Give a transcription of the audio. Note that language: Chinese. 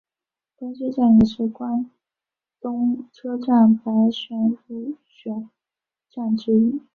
东京站也是关东车站百选入选站之一。